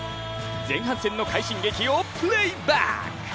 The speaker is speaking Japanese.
前半戦の快進撃をプレイバック。